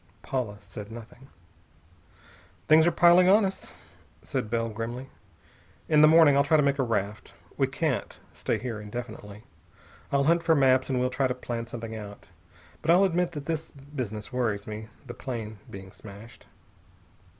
Paula said nothing. "Things are piling on us," said Bell grimly. "In the morning I'll try to make a raft. We can't stay here indefinitely. I'll hunt for maps and we'll try to plan something out. But I'll admit that this business worries me the plane being smashed."